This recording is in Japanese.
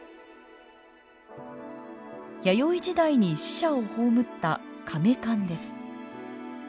弥生時代に死者を葬ったかめ棺です。